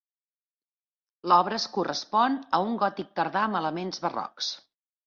L'obra correspon a un gòtic tardà amb elements barrocs.